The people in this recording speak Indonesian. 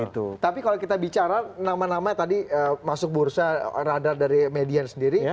tapi kalau kita bicara nama nama tadi masuk bursa radar dari median sendiri